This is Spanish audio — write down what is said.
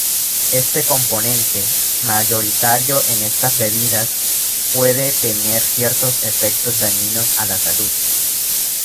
Este componente, mayoritario en estas bebidas, puede tener ciertos efectos dañinos a la salud.